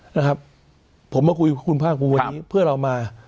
นะครับผมมาคุยกับคุณภาคภูมิวันนี้เพื่อเรามา